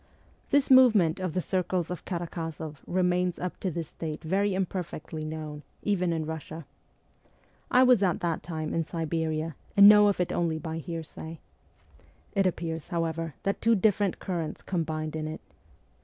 This movement of the circles of Karakozoff remains up to this date very imperfectly known, even in Eussia. I was at that time in Siberia, and know of it only by hearsay. It appears, however, that two different currents combined in it.